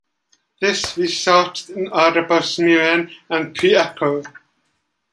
This results in audible smearing and pre-echo.